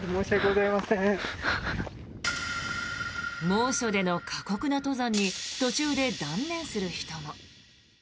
猛暑での過酷な登山に途中で断念する人も。